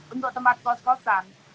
untuk tempat kos kosan